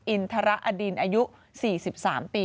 อินทรอดินอายุ๔๓ปี